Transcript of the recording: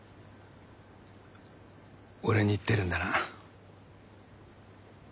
俺に言ってるんだな。